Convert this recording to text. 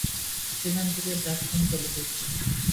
সেখান থেকেই ডাক পান চলচ্চিত্রে।